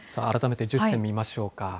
改めて１０選見ましょうか。